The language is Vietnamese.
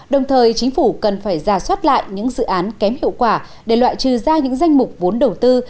đồng thời chính phủ cần phải ra soát lại những dự án kém hiệu quả để loại trừ ra những danh mục vốn đầu tư